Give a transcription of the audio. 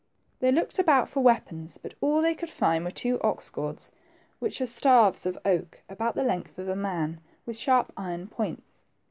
* They looked about for weapons, but all they could find were two ox goads, which are staves* of oak about the length of a man, with sharp iron points.